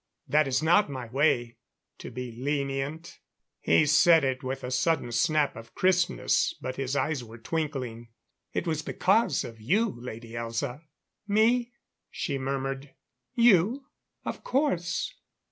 That is not my way to be lenient." He said it with a sudden snap of crispness, but his eyes were twinkling. "It was because of you, Lady Elza." "Me?" she murmured. "You of course.